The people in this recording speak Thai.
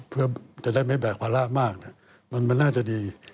เพื่อจะได้ไม่แบกภาระมากมันน่าจะดี